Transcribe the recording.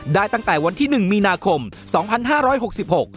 ตั้งแต่วันที่หนึ่งมีนาคมสองพันห้าร้อยหกสิบหก